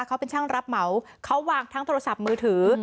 เขาเป็นช่างรับเหมาเขาวางทั้งโทรศัพท์มือถือ